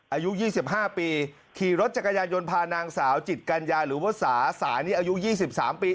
อายุยี่สิบห้าปีขี่รถจักรยายนพานางสาวจิตกัญญาหรือว่าสาสานี้อายุยี่สิบสามปี